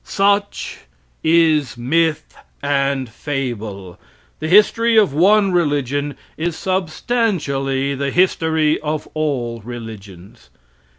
Such is myth and fable. The history of one religion is substantially the history of all religions.